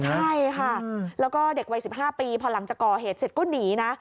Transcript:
ใช่ค่ะแล้วก็เด็กวัย๑๕ปีพอหลังจากก่อเหตุเสร็จก็หนีนะ